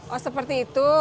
oh seperti itu